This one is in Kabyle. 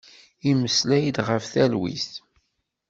Immeslay-d ɣef talwit.